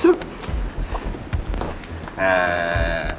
di dalam garis